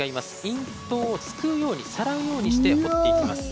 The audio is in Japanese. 印刀をすくうようにさらうようにして彫っていきます。